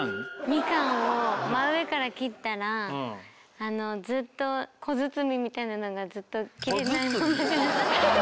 みかんを真上から切ったらずっと小包みたいなのがずっと切れない。